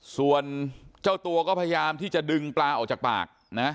ส่วนเจ้าตัวก็พยายามที่จะดึงปลาออกจากปากนะ